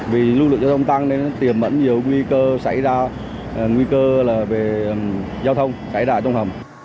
vì lưu lượng giao thông tăng nên tiềm mẫn nhiều nguy cơ xảy ra nguy cơ là về giao thông cái đại trong hầm